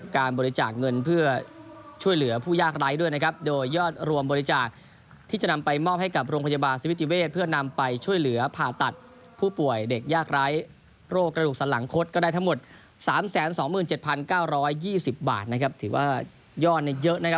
การบริจาคเงินเพื่อช่วยเหลือผู้ยากร้ายด้วยนะครับโดยยอดรวมบริจาคที่จะนำไปมอบให้กับโรงพยาบาลสวิติเวทย์เพื่อนำไปช่วยเหลือผ่าตัดผู้ป่วยเด็กยากร้ายโรคกระดูกสรรหางคตก็ได้ทั้งหมดสามแสนสองหมื่นเจ็ดพันเก้าร้อยยี่สิบบาทนะครับถือว่ายอดเยอะนะครับ